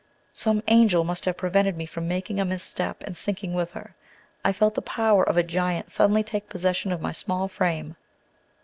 Some angel must have prevented me from making a misstep, and sinking with her. I felt the power of a giant suddenly taking possession of my small frame.